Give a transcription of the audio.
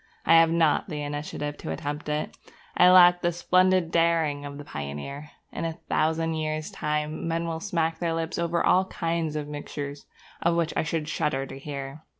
I have not the initiative to attempt it. I lack the splendid daring of the pioneer. In a thousand years' time men will smack their lips over all kinds of mixtures of which I should shudder to hear.